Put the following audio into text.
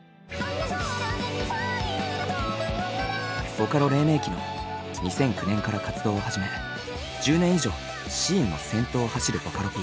ボカロ黎明期の２００９年から活動を始め１０年以上シーンの先頭を走るボカロＰＮｅｒｕ。